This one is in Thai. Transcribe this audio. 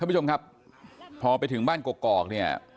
ผู้ชมครับพอไปถึงบ้านกอกเนี่ย